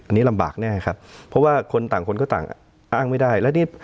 อันนี้ลำบากแน่ครับเพราะว่าคนต่างคนก็ต่างอ้างไม่ได้